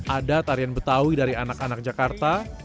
ada tarian betawi dari anak anak jakarta